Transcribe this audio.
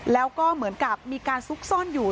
แล้วก็เหมือนกับมีการซุกซ่อนอยู่